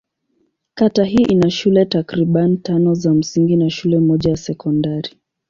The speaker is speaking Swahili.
Kata hii ina shule takriban tano za msingi na shule moja ya sekondari.